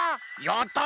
やった！